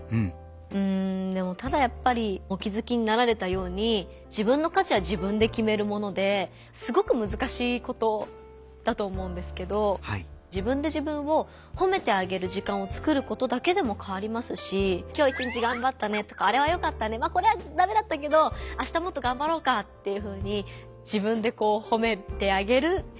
うんただやっぱりお気づきになられたように自分の価値は自分できめるものですごくむずかしいことだと思うんですけど自分で自分をほめてあげる時間を作ることだけでも変わりますし「今日は一日がんばったね」とか「あれはよかったね」「これはダメだったけどあしたもっとがんばろうか」というふうに自分でほめてあげる。